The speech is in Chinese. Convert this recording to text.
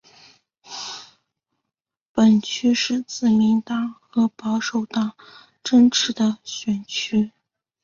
本区是自民党和保守党争持的选区。